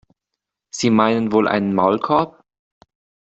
Sie meinen wohl einen Maulkorb?